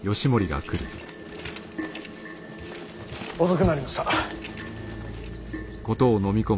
遅くなりました。